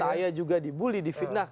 saya juga dibully di fitnah